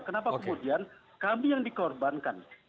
kenapa kemudian kami yang dikorbankan